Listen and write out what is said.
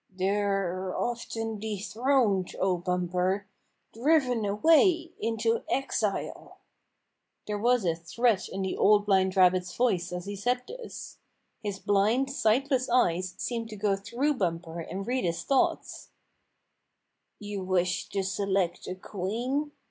" They're often dethroned, O Bumper, driven away into exile !" There was a threat in the Old Blind Rabbit's voice as he said this. His blind, sightless eyes seemed to go through Bumper and read his thoughts. 108 Bumper Makes Fuzzy Wuzz Queen "You wish to select a queen?"